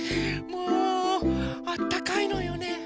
もうあったかいのよね。